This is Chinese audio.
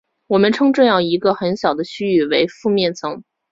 我们称这样一个很小的区域为附面层。